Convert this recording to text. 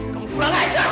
kamu pulang aja